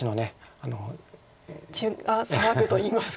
血が騒ぐといいますか。